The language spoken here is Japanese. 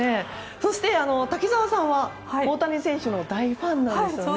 そして、滝澤さんは大谷選手の大ファンなんですよね。